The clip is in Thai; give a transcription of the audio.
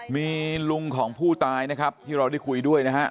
มีลุงของผู้ตายนะครับที่เราได้คุยด้วยนะฮะ